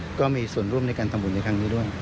ก็มีส่วนร่วมในการทำบุญในครั้งนี้ด้วย